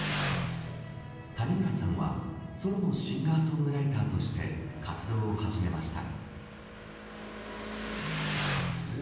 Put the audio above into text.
谷村さんは、ソロのシンガーソングライターとして活動を始めました。